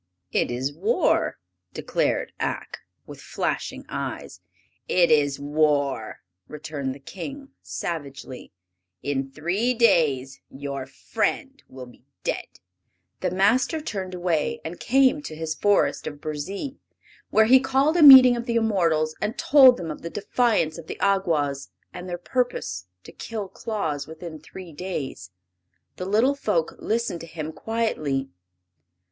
"It is war!" declared Ak, with flashing eyes. "It is war!" returned the King, savagely. "In three days your friend will be dead." The Master turned away and came to his Forest of Burzee, where he called a meeting of the immortals and told them of the defiance of the Awgwas and their purpose to kill Claus within three days. The little folk listened to him quietly.